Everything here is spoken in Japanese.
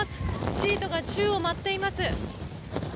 シートが宙を舞っています。